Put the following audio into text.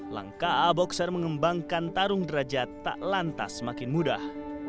langkah a a boxer mengembangkan tarung deraja tak lantas semakin mudah